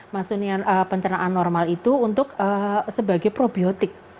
maksudnya pencernaan normal itu untuk sebagai probiotik